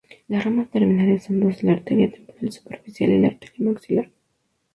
Las ramas terminales son dos: la arteria temporal superficial y la arteria maxilar.